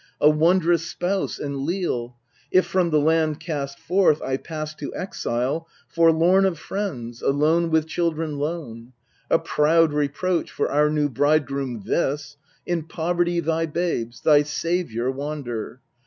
a wondrous spouse and leal, 1 If from the land cast forth I pass to exile Forlorn of friends, alone with children lone. A proud reproach for our new bridegroom this In poverty thy babes, thy saviour, wander